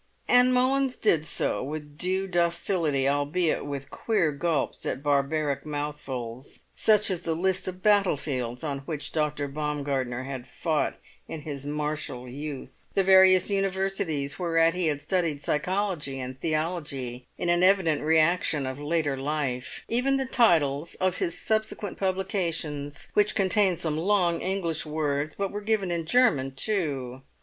And Mullins did so with due docility, albeit with queer gulps at barbaric mouthfuls such as the list of battle fields on which Dr. Baumgartner had fought in his martial youth; the various Universities whereat he had studied psychology and theology in an evident reaction of later life; even the titles of his subsequent publications, which contained some long English words, but were given in German too.